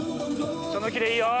そのキレいいよ！